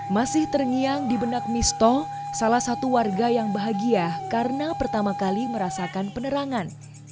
masih terngiang di benak misto salah satu warga yang bahagia karena pertama kali merasakan penerangan